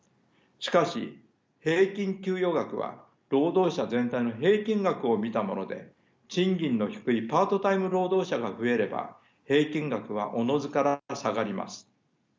しかし平均給与額は労働者全体の平均額を見たもので賃金の低いパートタイム労働者が増えれば平均額はおのずから下がります。